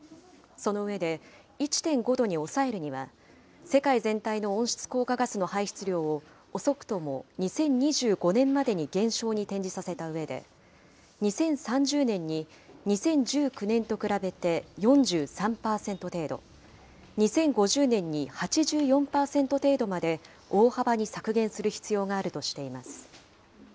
その上で、１．５度に抑えるには、世界全体の温室効果ガスの排出量を遅くとも２０２５年までに減少に転じさせたうえで、２０３０年に２０１９年と比べて４３％程度、２０５０年に８４％程度まで大幅に削減する必要があるとしています。